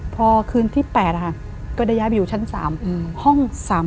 พอคืนที่๘ก็ได้ย้ายไปอยู่ชั้น๓ห้อง๓๐